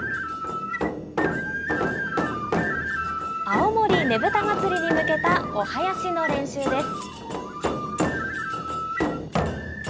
青森ねぶた祭に向けたお囃子の練習です。